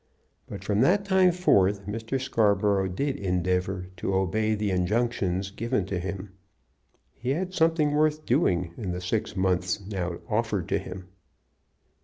But from that time forth Mr. Scarborough did endeavor to obey the injunctions given to him. He had something worth doing in the six months now offered to him.